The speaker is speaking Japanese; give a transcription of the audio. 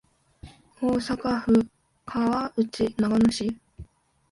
大阪府河内長野市